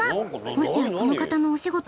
もしやこの方のお仕事も。